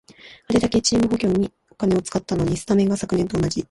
あれだけチーム補強にお金使ったのに、スタメンが昨年と同じ